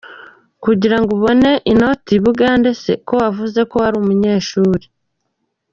Kugirango abone inote ibugande se kowavuze ko warumunyeshuri